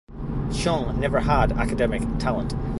Cheung never had academic talent.